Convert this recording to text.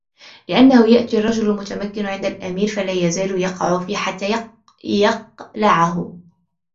لِأَنَّهُ يَأْتِي الرَّجُلَ الْمُتَمَكِّنَ عِنْدَ الْأَمِيرِ فَلَا يَزَالُ يَقَعُ فِيهِ حَتَّى يَقْلَعَهُ